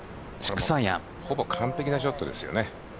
ほぼ完璧なショットです。